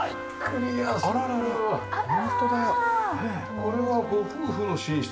これはご夫婦の寝室？